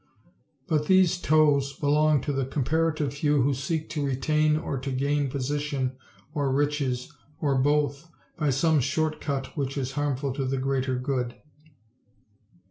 But these toes belong to the comparative few who seek to retain or to gain position or riches or both by some short cut which is harmful to the greater good.